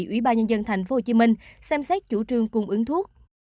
ủy ban nhân dân tp hcm xem xét chủ trương cung ứng thuốc